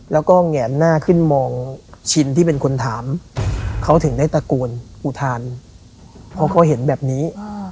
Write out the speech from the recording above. แล้วก็แหงหน้าขึ้นมองชินที่เป็นคนถามเขาถึงได้ตะโกนอุทานเพราะเขาเห็นแบบนี้